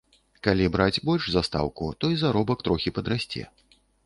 Калі браць больш за стаўку, то і заробак трохі падрасце.